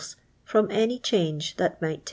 fs fruni atiy change that might t.